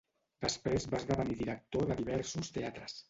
Després va esdevenir director de diversos teatres.